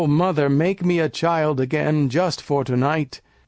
mother make me a child again just for to night!